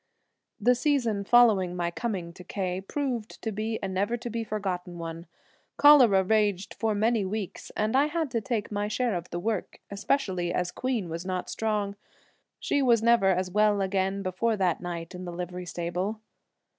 The season following my coming to K proved to be a never to be forgotten one. Cholera raged for many weeks, and I had to take my share of the work, especially as Queen was not strong. She was never as well again before that night in the livery stable.